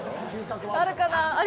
あるかなあ。